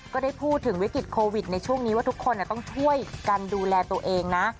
ก็ได้พูดถึงวิกฤตโควิดในช่วงนี้ว่าทุกคนต้องช่วยกันดูแลตัวเองนะ